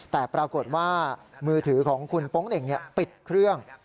แต่ปรากฏว่ามือถือของคุณโป๊งเหน่งปิดเครื่อง